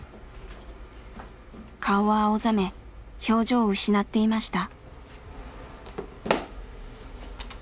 顔は青ざめ表情を失っていました。